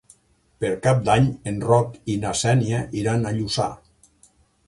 Per Cap d'Any en Roc i na Xènia iran a Lluçà.